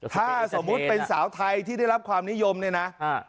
ถ้าสมมุติเป็นสาวไทยที่ได้รับความนิยมเนี่ยนะ